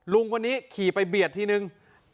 ลุงคนนี้ขี่ไปเบียดทีนึง